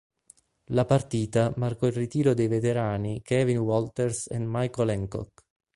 La partita marcò il ritiro dei veterani Kevin Walters and Michael Hancock.